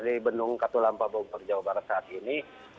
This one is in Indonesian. di benung katulampabogor jawa barat saat ini